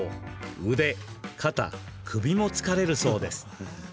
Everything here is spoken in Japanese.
腕、肩、首も疲れるそうです。